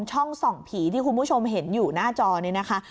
ช่องส่องผีที่คุณผู้ชมเห็นอยู่หน้าจอนี้นะคะ